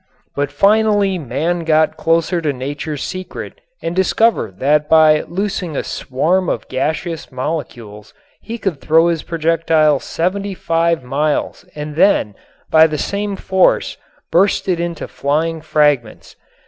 But finally man got closer to nature's secret and discovered that by loosing a swarm of gaseous molecules he could throw his projectile seventy five miles and then by the same force burst it into flying fragments.